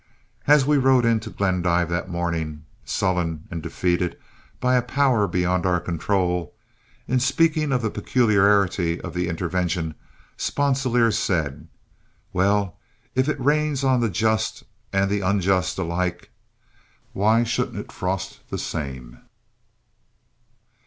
As we rode into Glendive that morning, sullen and defeated by a power beyond our control, in speaking of the peculiarity of the intervention, Sponsilier said: "Well, if it rains on the just and the unjust alike, why shouldn't it frost the same."